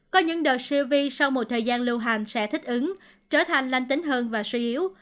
có những đợt siêu vi sau một thời gian lưu hàm sẽ thích ứng trở thành lanh tính hơn và suy yếu